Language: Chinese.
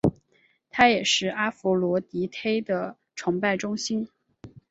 它也是阿佛罗狄忒的崇拜中心。